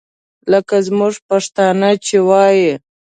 لکه زموږ پښتانه چې وایي.